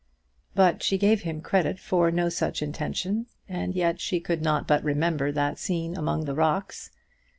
But she gave him credit for no such intention, and yet she could not but remember that scene among the rocks.